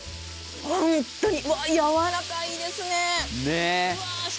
本当にやわらかいですね。